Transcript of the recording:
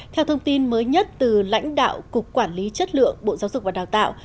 theo thông tin mới nhất từ lãnh đạo cục quản lý chất lượng bộ giáo dục và đào tạo